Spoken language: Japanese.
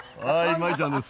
舞衣ちゃんです。